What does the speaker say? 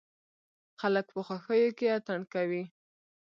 خلک په خوښيو کې اتڼ کوي.